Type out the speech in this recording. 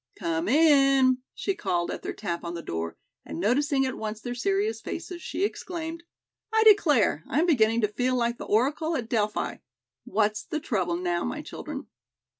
"Come in," she called at their tap on the door, and noticing at once their serious faces, she exclaimed: "I declare, I am beginning to feel like the Oracle at Delphi. What's the trouble, now, my children?"